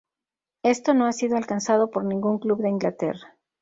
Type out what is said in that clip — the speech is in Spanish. Esto no ha sido alcanzado por ningún club de Inglaterra.